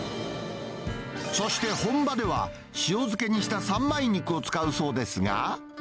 そして本場では、塩漬けにした三枚肉を使うそうですが。